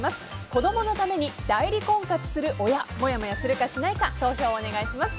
子どものために代理婚活する親もやもやするかしないか投票をお願いします。